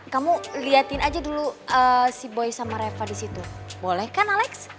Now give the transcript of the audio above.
kamu liatin aja dulu si boy sama reva di situ boleh kan alex